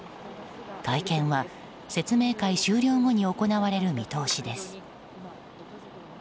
会見は説明会終了後に行われる見通しです。